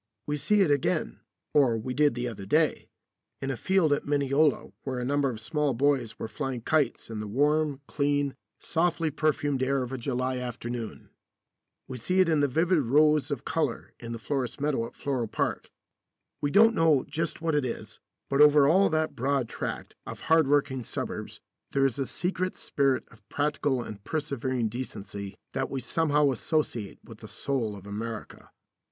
We see it again or we did the other day in a field at Mineola where a number of small boys were flying kites in the warm, clean, softly perfumed air of a July afternoon. We see it in the vivid rows of colour in the florist's meadow at Floral Park. We don't know just what it is, but over all that broad tract of hardworking suburbs there is a secret spirit of practical and persevering decency that we somehow associate with the soul of America.